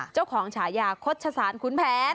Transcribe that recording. ชื่อของฉายาโฆษศาสตร์ขุนแผน